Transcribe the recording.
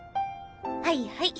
はいはい。